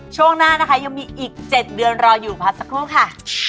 ช่วงหน้านะคะยังมีอีก๗เดือนรออยู่พักสักครู่ค่ะ